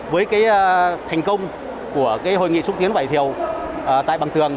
với cái thành công của hội nghị xúc tiến vải thiều tại bằng tường